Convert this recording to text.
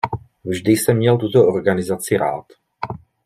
Vždy jsem měl tuto organizaci rád.